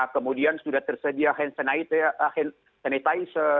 kemudian sudah tersedia hand sanitizer